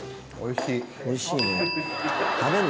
おいしい。